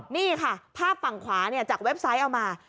นี่ค่ะภาพฝั่งขวาจากเว็บไซต์เอามา